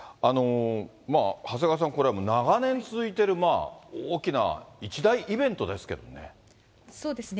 まあ、長谷川さん、長年続いている大きな一大イベントですけそうですね。